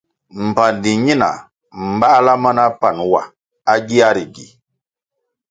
Mbpandi ñina mbáhla ma na pan wa à gia ri gi.